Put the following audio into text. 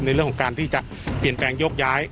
ในเรื่องของการที่จะเปลี่ยนแปลงโยกย้าย